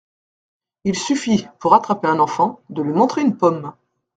Il suffit, pour attraper un enfant, de lui montrer une pomme.